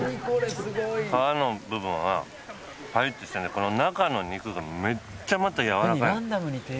皮の部分はパリッとしててこの中の肉がめっちゃまたやわらかいの。